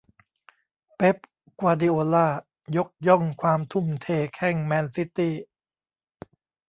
เป๊ป กวาร์ดิโอล่า ยกย่องความทุ่มเทแข้งแมนซิตี้